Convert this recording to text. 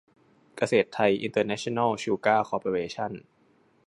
เกษตรไทย อินเตอร์เนชั่นแนล ชูการ์ คอร์ปอเรชั่น